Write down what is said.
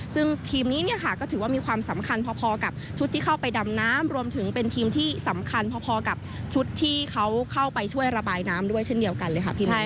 ซึ่งทีมนี้เนี่ยค่ะก็ถือว่ามีความสำคัญพอกับชุดที่เข้าไปดำน้ำรวมถึงเป็นทีมที่สำคัญพอกับชุดที่เขาเข้าไปช่วยระบายน้ำด้วยเช่นเดียวกันเลยค่ะพี่